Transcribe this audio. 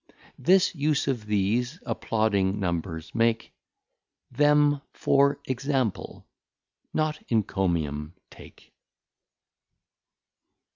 This Use of these Applauding Numbers make Them for Example, not Encomium, take.